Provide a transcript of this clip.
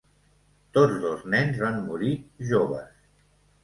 Tots dos nens van morir joves.